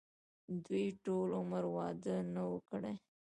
دوي ټول عمر وادۀ نۀ وو کړے